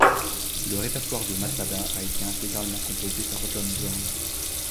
Le répertoire de Masada a été intégralement composé par John Zorn.